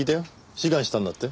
志願したんだって？